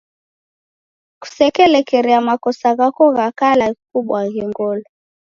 Kuselekerie makosa ghako gha kala ghikubwaghe ngolo.